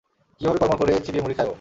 কীভাবে কড়মড় করে চিবিয়ে মুরগি খায় ও।